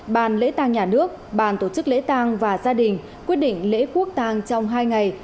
ban lễ tang nhà nước ban tổ chức lễ tang và gia đình quyết định lễ quốc tang trong hai ngày